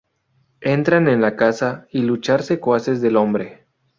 Entran en la casa y luchar secuaces del hombre.